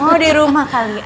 oh di rumah kali